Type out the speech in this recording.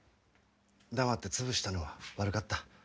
黙って潰したのは悪かった。